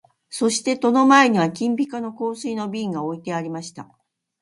そして戸の前には金ピカの香水の瓶が置いてありました